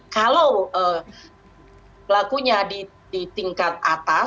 kalau pelakunya di tingkat atas